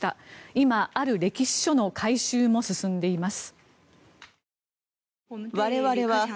今、ある歴史書の回収も進んでいます。